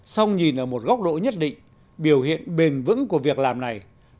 xong nhìn ở một góc độ nhất định biểu hiện bền vững của việc làm này